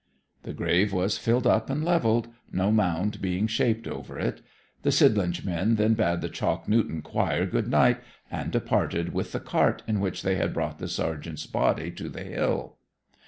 The grave was filled up and levelled, no mound being shaped over it. The Sidlinch men then bade the Chalk Newton choir good night, and departed with the cart in which they had brought the sergeant's body to the hill.